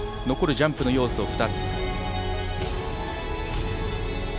残るジャンプの要素は２つ。